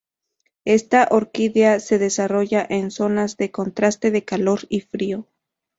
Esta Orquídea se desarrolla en zonas de contraste de calor y frío.